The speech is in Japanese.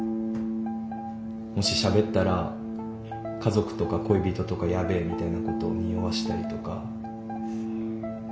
もししゃべったら家族とか恋人とかやべえみたいなことをにおわしたりとか。